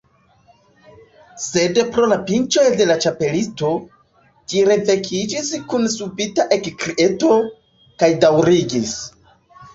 Sed pro la pinĉoj de la Ĉapelisto, ĝi revekiĝis kun subita ekkrieto, kaj daŭrigis.